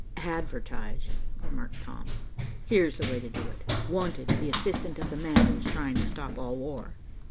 "Advertise," remarked Tom. "Here's the way to do it, 'Wanted, the assistant of the man who is trying to stop all war.